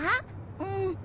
うん！